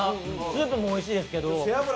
スープもおいしいですけど。